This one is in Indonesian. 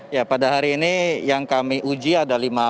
ya pada hari ini yang kami uji adalah